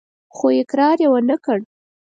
خو اقرار يې ونه کړ.